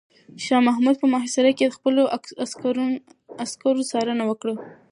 شاه محمود په محاصره کې د خپلو عسکرو څارنه وکړه.